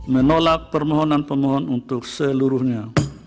menolak permohonan pemohon untuk seluruhnya